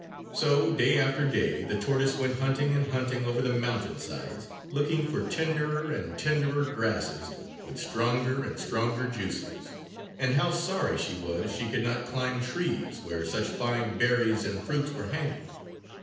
So day after day the tortoise went hunting and hunting over the mountain sides, looking for tenderer and tenderer grasses with stronger and stronger juices. And how sorry she was she could not climb trees where such fine berries and fruits were hanging!